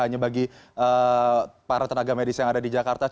hanya bagi para tenaga medis yang ada di jakarta